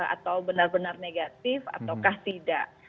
atau benar benar negatif ataukah tidak